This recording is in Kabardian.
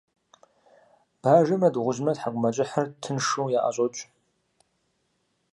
Бажэмрэ дыгъужьымрэ тхьэкIумэкIыхьыр тыншу яIэщIокI.